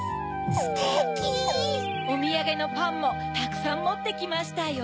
ステキ。おみやげのパンもたくさんもってきましたよ。